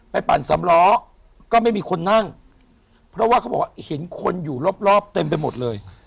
ปั่นสำล้อก็ไม่มีคนนั่งเพราะว่าเขาบอกว่าเห็นคนอยู่รอบรอบเต็มไปหมดเลย